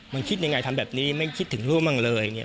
มันคิดยังไงทำแบบนี้ไม่คิดถึงลูกหรือบ้างเลย